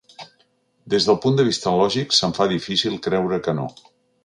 Des del punt de vista lògic, se’m fa difícil creure que no.